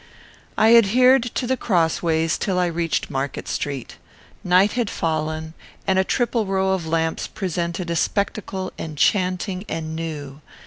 I adhered to the crossways, till I reached Market Street. Night had fallen, and a triple row of lamps presented a spectacle enchanting and new.